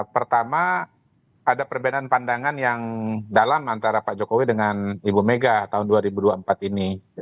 pertama ada perbedaan pandangan yang dalam antara pak jokowi dengan ibu mega tahun dua ribu dua puluh empat ini